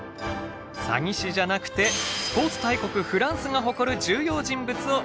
詐欺師じゃなくてスポーツ大国フランスが誇る重要人物を私が紹介しますよ。